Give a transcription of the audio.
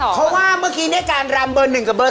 เพราะว่าเมื่อกี้เนี่ยการรำเบอร์๑กับเบอร์